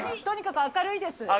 とにかく明るいです。